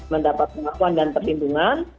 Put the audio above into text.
mendapat pengakuan dan perlindungan